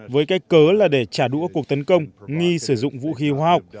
với cái cớ là để trả đũa cuộc tấn công nghi sử dụng vũ khí hóa hợp